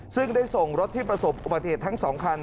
ซึ่งได้ส่งรถที่ประสบอุบัติเหตุทั้ง๒คัน